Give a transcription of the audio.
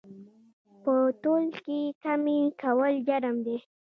په تول کې کمي کول جرم دی